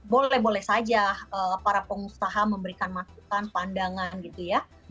boleh boleh saja para pengusaha memberikan masukan pandangan gitu ya